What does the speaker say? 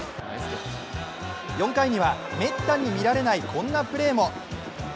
４回にはめったに見られないこんなプレーも。